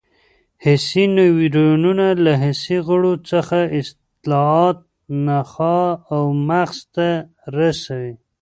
حسي نیورونونه له حسي غړو څخه اطلاعات نخاع او مغز ته رسوي.